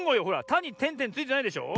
「た」にてんてんついてないでしょ。